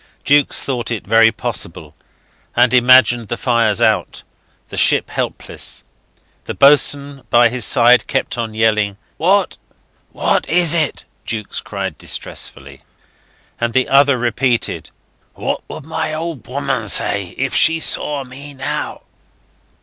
Jukes thought it very possible, and imagined the fires out, the ship helpless. ... The boatswain by his side kept on yelling. "What? What is it?" Jukes cried distressfully; and the other repeated, "What would my old woman say if she saw me now?"